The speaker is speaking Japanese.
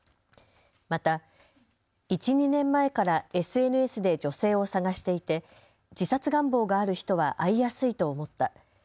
また、１、２年前からＳＮＳで女性を探していて自殺願望がある人は会いやすいと思った。